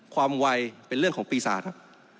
ความวัยเป็นเรื่องของปีศาสตร์ครับ